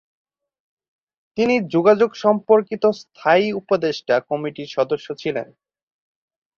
তিনি যোগাযোগ সম্পর্কিত স্থায়ী উপদেষ্টা কমিটির সদস্য ছিলেন।